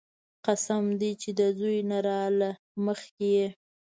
قسم دې چې د زوى نه راله مخكې يې.